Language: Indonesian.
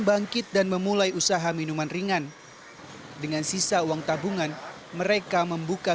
bangkit dan memulai usaha minuman ringan dengan sisa uang tabungan mereka membuka